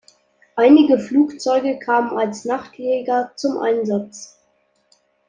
Einige Flugzeuge kamen als Nachtjäger zum Einsatz.